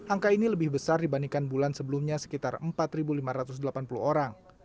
angka ini lebih besar dibandingkan bulan sebelumnya sekitar empat lima ratus delapan puluh orang